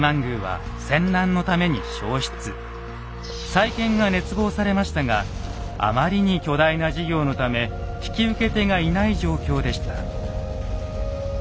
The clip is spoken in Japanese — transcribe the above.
再建が熱望されましたがあまりに巨大な事業のため引き受け手がいない状況でした。